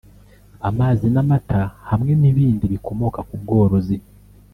amazi n’amata hamwe n’ibindi bikomoka ku bworozi